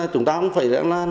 chúng ta cũng phải